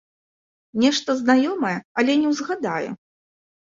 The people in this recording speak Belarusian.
Нешта знаёмае, але не ўзгадаю!